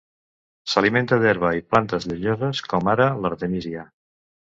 S'alimenta d'herba i plantes llenyoses com ara l'artemísia.